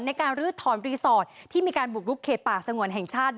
ในการลื้อถอนรีสอร์ทที่มีการบุกลุกเขตป่าสงวนแห่งชาติ